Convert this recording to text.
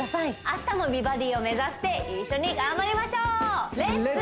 明日も美バディを目指して一緒に頑張りましょうレッツ！